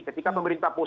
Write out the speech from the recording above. ketika pemerintah pulang